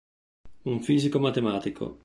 Un fisico matematico.